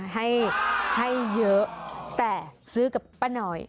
ให้เยอะแต่ซื้อกับป้าน้อย